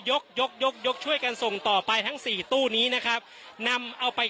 ยกยกยกยกช่วยกันส่งต่อไปทั้งสี่ตู้นี้นะครับนำเอาไป